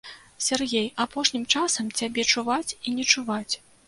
Сяргей, апошнім часам цябе чуваць і не чуваць.